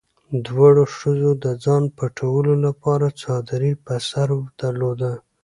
دواړو ښځو د ځان پټولو لپاره څادري په سر درلوده.